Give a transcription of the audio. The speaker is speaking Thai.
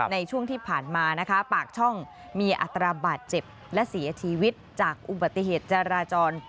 ในช่วงที่ผ่านมานะคะปากช่องมีอัตราบาดเจ็บและเสียชีวิตจากอุบัติเหตุจราจร